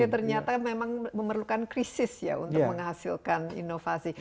ternyata memang memerlukan krisis ya untuk menghasilkan inovasi